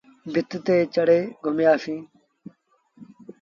ڀت تي چڙهي گھمآسيٚݩ۔